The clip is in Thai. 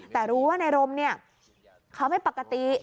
แต่รู้ว่าในรมเนี่ยเขาไม่ปกติ